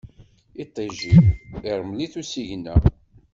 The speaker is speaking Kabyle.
Iṭij-iw, iṛmel-it usigna.